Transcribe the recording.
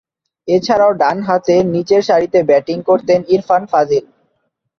এছাড়াও, ডানহাতে নিচেরসারিতে ব্যাটিং করতেন ইরফান ফাজিল।